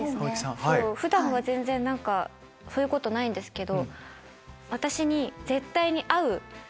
普段は全然そういうことないんですけど。